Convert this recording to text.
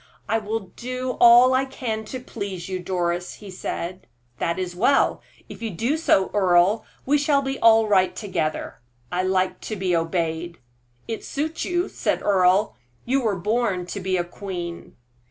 "I will do all I can to please you, Doris," he said. "That is well; if you do so, Earle, we shall be all right together. I like to be obeyed." "It suits you," said Earle; "you were born to be a queen."